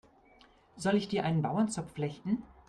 Soll ich dir einen Bauernzopf flechten?